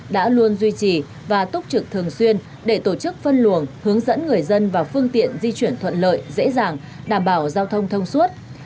đã luôn duy trì và túc trực thường xuyên để tổ chức phân luồng hướng dẫn người dân và phương tiện di chuyển thuận lợi dễ dàng đảm bảo giao thông thông suốt